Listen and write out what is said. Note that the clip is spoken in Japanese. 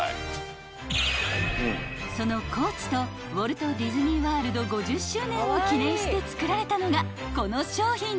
［そのＣＯＡＣＨとウォルト・ディズニー・ワールド５０周年を記念してつくられたのがこの商品］